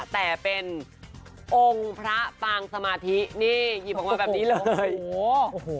แต่เป็นองค์พระปางสมาธินี่หยิบออกมาแบบนี้เลยโอ้โห